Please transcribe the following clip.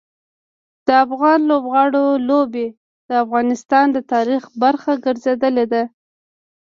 د افغان لوبغاړو لوبې د افغانستان د تاریخ برخه ګرځېدلي دي.